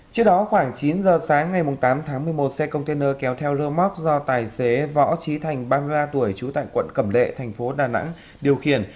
trước đó khoảng chín giờ sáng ngày tám tháng một mươi một xe container kéo theo rơ móc do tài xế võ trí thành ba mươi ba tuổi trú tại quận cẩm lệ thành phố đà nẵng điều khiển